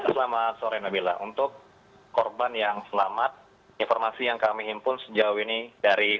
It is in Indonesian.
selamat sore nabila untuk korban yang selamat informasi yang kami himpun sejauh ini dari